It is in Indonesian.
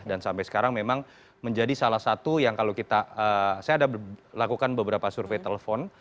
dan sampai sekarang memang menjadi salah satu yang kalau kita saya ada lakukan beberapa survei telepon